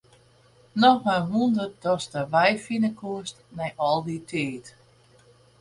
Noch in wûnder datst de wei fine koest nei al dy tiid.